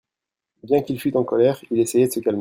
Bien qu'il fût en colère, il essayait de se calmer.